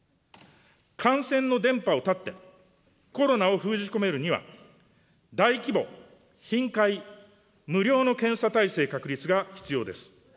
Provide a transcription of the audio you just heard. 感染の伝播を断って、コロナを封じ込めるには、大規模、頻回、無料の検査体制確立が必要です。